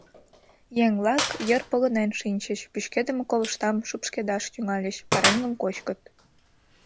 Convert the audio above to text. Еҥ-влак йыр погынен шинчыч, пӱчкедыме ковыштам шупшкедаш тӱҥальыч, пареҥгым кочкыт.